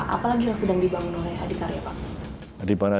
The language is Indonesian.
apa lagi yang sedang dibangun oleh adhikarya pak